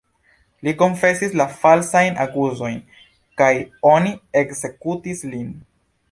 Li konfesis la falsajn akuzojn kaj oni ekzekutis lin.